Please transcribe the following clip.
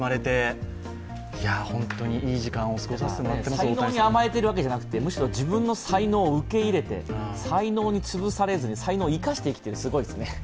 才能に甘えているわけじゃなくてむしろ自分の才能を受け入れて、才能につぶされずに才能を生かして生きている、すごいですね。